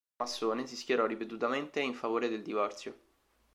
Massone, si schierò ripetutamente in favore del divorzio.